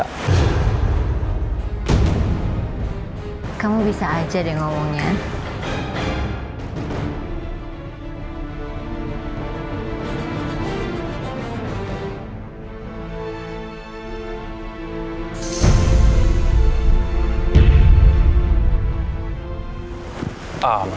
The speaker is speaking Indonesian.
kamu bisa aja deh ngomongnya